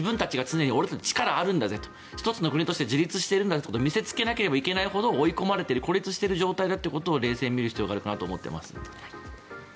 俺たち力があるんだぜと１つの国として自立しているんだと見せつけなければいけないほど孤立している状態だということを冷静に見る必要があるかなと思っています。